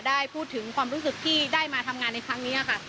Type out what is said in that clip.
ได้พูดถึงความรู้สึกที่ได้มาทำงานในครั้งนี้ค่ะ